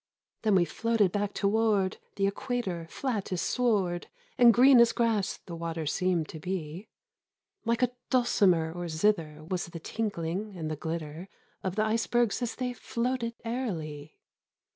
51 Then we floated back toward The equator ; flat as sward, And green as grass the water seemed to be. Like a dulcimer or zither Was the tinkling and the glitter Of the icebergs as they floated aerily.